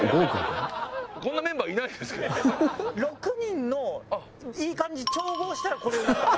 ６人のいい感じに調合したらこれになった。